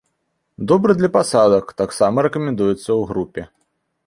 Добры для пасадак, таксама рэкамендуецца ў групе.